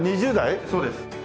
そうです。